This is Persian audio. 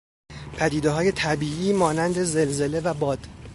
پدیدههای طبیعی مانند زلزله و باد